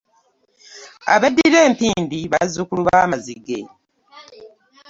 Abeddira empindi bazzukulu ba Mazige.